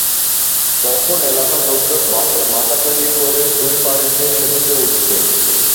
তখন এলাকার লোকজন বাঁশের মাচা তৈরি করে দুই পাশ দিয়ে সেতুতে উঠত।